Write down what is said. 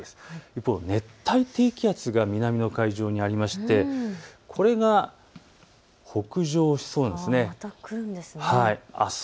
一方、熱帯低気圧が南の海上にありましてこれが北上しそうなんです。